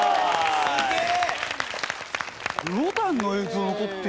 すげえ。